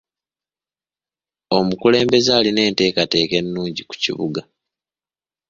Omukulembeze alina enteekateeka ennungi ku kibuga.